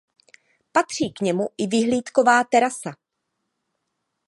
Patří k němu i vyhlídková terasa.